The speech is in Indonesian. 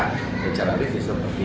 dengan cara rip ya ini adalah cara mereka